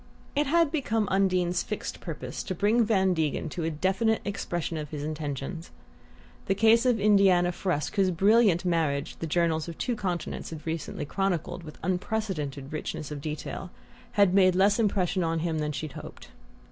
It had become Undine's fixed purpose to bring Van Degen to a definite expression of his intentions. The case of Indiana Frusk, whose brilliant marriage the journals of two continents had recently chronicled with unprecedented richness of detail, had made less impression on him than she hoped.